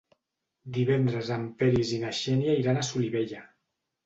Divendres en Peris i na Xènia iran a Solivella.